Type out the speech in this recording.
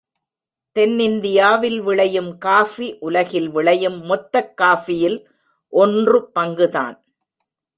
தென்னிந்தியாவில் விளையும் காஃபி, உலகில் விளையும் மொத்தக் காஃபியில் ஒன்று பங்குதான்.